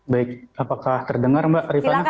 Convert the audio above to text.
baik apakah terdengar mbak rifana